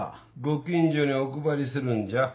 ご近所にお配りするんじゃ。